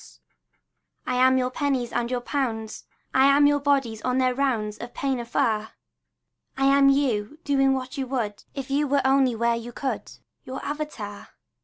188 AUXILIARIES I am your pennies and your pounds; I am your bodies on their rounds Of pain afar; I am you, doing what you would If you were only where you could —■ Your avatar.